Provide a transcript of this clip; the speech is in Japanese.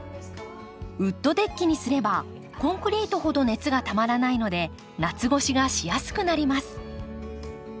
ウッドデッキにすればコンクリートほど熱がたまらないので夏越しがしやすくなります。